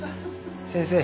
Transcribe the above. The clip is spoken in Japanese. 先生